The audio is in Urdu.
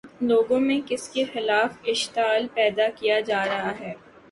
لوگوں میں کس کے خلاف اشتعال پیدا کیا جا رہا ہے؟